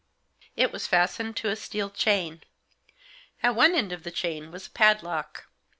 It was fastened to a steel chain ; at one end of the chain was a padlock.